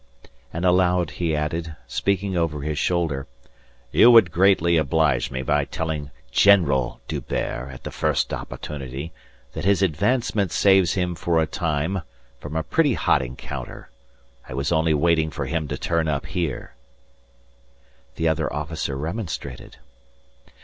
And aloud he added, speaking over his shoulder: "You would greatly oblige me by telling General D'Hubert at the first opportunity that his advancement saves him for a time from a pretty hot encounter. I was only waiting for him to turn up here." The other officer remonstrated.